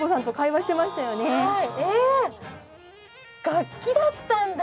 楽器だったんだ。